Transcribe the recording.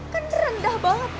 kan rendah banget mas